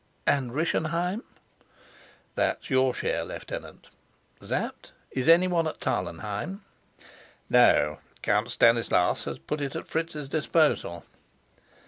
"And Rischenheim?" "That's your share, Lieutenant. Sapt, is any one at Tarlenheim?" "No. Count Stanislas has put it at Fritz's disposal."